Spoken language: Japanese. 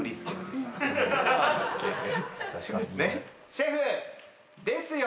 シェフ！ですよ。